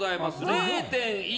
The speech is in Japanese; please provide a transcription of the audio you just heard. ０．１